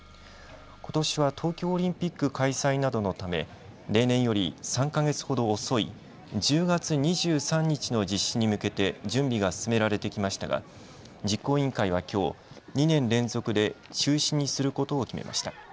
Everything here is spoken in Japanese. ことしは東京オリンピック開催などのため例年より３か月ほど遅い１０月２３日の実施に向けて準備が進められてきましたが実行委員会はきょう、２年連続で中止にすることを決めました。